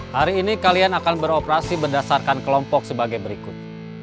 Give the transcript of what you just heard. hari ini kalian akan beroperasi berdasarkan kelompok sebagai berikut